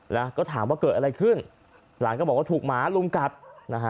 แล้วก็ถามว่าเกิดอะไรขึ้นหลานก็บอกว่าถูกหมาลุมกัดนะฮะ